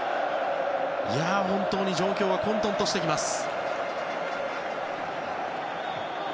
本当に状況が混沌としてきます。